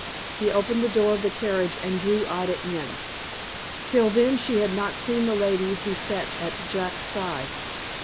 He opened the door of the carriage, and drew Ida in. Till then she had not seen the lady who sat at Jack's side.